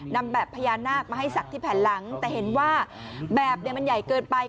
นำแบบพญานาคมาให้ศักดิ์ที่แผ่นหลังแต่เห็นว่าแบบมันใหญ่เกินไป